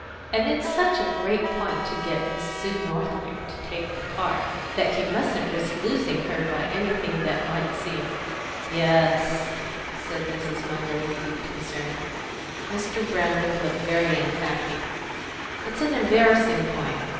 And it's such a great point to get Miss Sue Northwick to take the part, that he mustn't risk losing her by anything that might seem " "Yes," said Mrs. Munger, with deep concern. Mr. Brandreth looked very unhappy. "It's an embarrassing point.